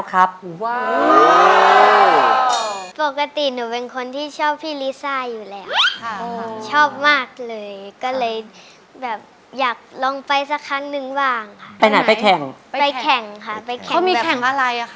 ค่ะมีแข่งอะไรอ่ะคะ